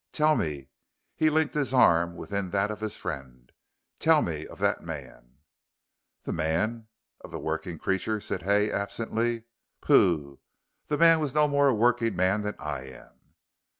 Tell me," he linked his arm within that of his friend, "tell me of that man." "That man of the working creature," said Hay, absently. "Pooh, the man was no more a working man than I am."